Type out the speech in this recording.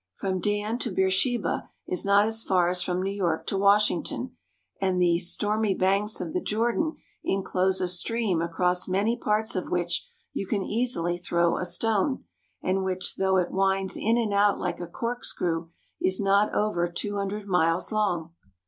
From Dan to Beersheba is not as far as from New York to Washington, and the "stormy banks" of the Jordan inclose a stream across many parts of which you can easily throw a stone, and which though it winds in and out like a corkscrew, is not over two hun dred miles long.